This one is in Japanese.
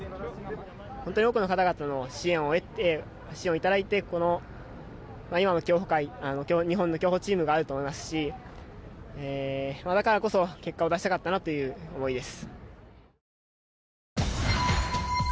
本当に多くの方々の支援を頂いてこの今の競歩界、日本の競歩チームがあると思いますしだからこそ結果を出したかったなという思いです。